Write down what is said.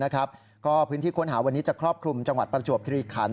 ก็พื้นที่ค้นหาวันนี้จะครอบคลุมจังหวัดประจวบคิริขัน